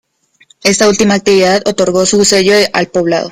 Esta última actividad otorgó su sello al poblado.